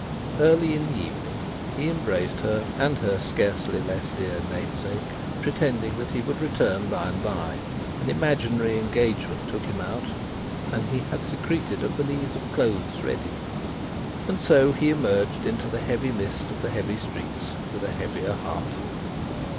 Early in the evening he embraced her, and her scarcely less dear namesake, pretending that he would return by and bye (an imaginary engagement took him out, and he had secreted a valise of clothes ready), and so he emerged into the heavy mist of the heavy streets, with a heavier heart.